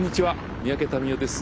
三宅民夫です。